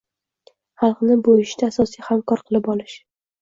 xalqni bu ishda asosiy hamkor qilib olish